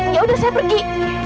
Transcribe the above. yaudah saya pergi